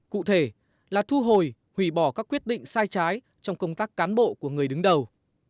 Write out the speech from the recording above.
cụ thể là thu hồi hủy bỏ các quyết định sai trái trong công tác cán bộ của người đứng đầu